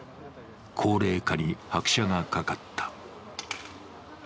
高齢化に拍車がかかった。